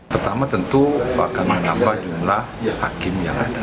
pertama tentu akan menambah jumlah hakim yang ada